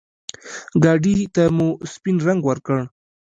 ګاډي ته مو سپين رنګ ورکړ.